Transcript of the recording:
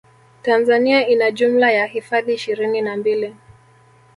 tanzania ina jumla ya hifadhi ishirini na mbili